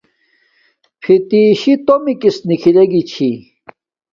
فیتسی تومس نیکھل لگی چھی